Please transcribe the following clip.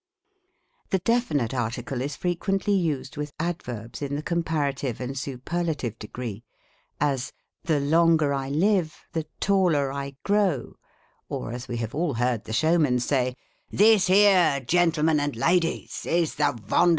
87 The definite article is frequently used with adverbs in the comparative and superlative degree : as, " The longer I live, the taller, I grow ;" or, as we have all heard the showman say, " This here, gentlemen and OJ(J'o